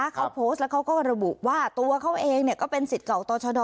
เขาโพสต์แล้วเขาก็ระบุว่าตัวเขาเองก็เป็นสิทธิ์เก่าต่อชะดอ